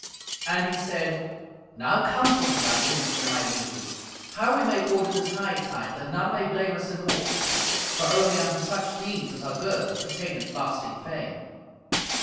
And he said, "Now counsel me, my kinsmen and my lieges, how we may order this hightide, that none may blame us in aught; for only unto such deeds as are good, pertaineth lasting fame."